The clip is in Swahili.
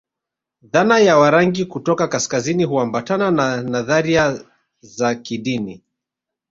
Dhana ya Warangi kutoka kaskazini huambatana na nadharia za kidini